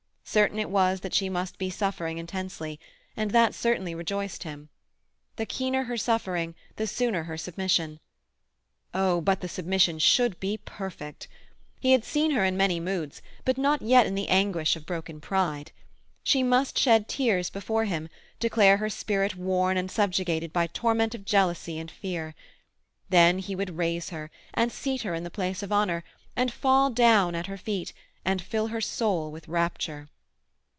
Certain it was that she must be suffering intensely—and that certainly rejoiced him. The keener her suffering the sooner her submission. Oh, but the submission should be perfect! He had seen her in many moods, but not yet in the anguish of broken pride. She must shed tears before him, declare her spirit worn and subjugated by torment of jealousy and fear. Then he would raise her, and seat her in the place of honour, and fall down at her feet, and fill her soul with rapture.